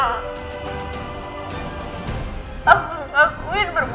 sangat membuahi diriku